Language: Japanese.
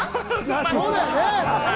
まあそうだよね。